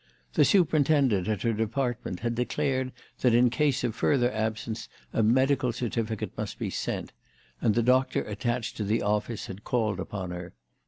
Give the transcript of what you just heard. The superintend ent at her department had declared that in case of further absence a medical certificate must be sent, and the doctor attached to the office had called upon her.